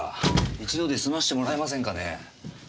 一度で済ましてもらえませんかね。